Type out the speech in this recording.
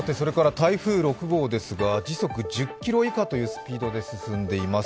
時速１０キロ以下というスピードで進んでいます。